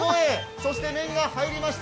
そして麺が入りました。